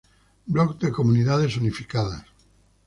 Blog de Comunicaciones Unificadas